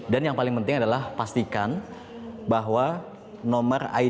dan yang paling penting adalah pastikan bahwa nomor id